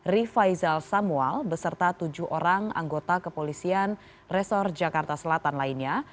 rifaizal samuel beserta tujuh orang anggota kepolisian resor jakarta selatan lainnya